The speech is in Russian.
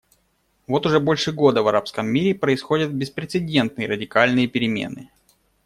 Вот уже больше года в арабском мире происходят беспрецедентные радикальные перемены.